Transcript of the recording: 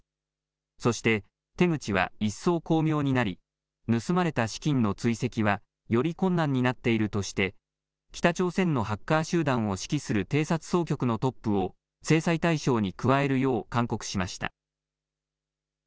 そして手口は一層巧妙になり盗まれた資金の追跡はより困難になっているとして北朝鮮のハッカー集団を指揮する偵察総局のトップを制裁対象に加えるよう勧告しました。